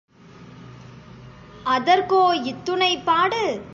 அதற்கோ இத்துணைப் பாடு?